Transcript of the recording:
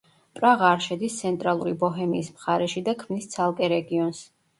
პრაღა არ შედის ცენტრალური ბოჰემიის მხარეში და ქმნის ცალკე რეგიონს.